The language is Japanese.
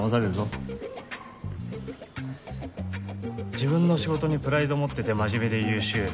自分の仕事にプライド持ってて真面目で優秀。